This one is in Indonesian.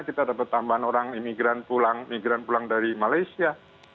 kita dapat tambahan orang imigran pulang dari malaysia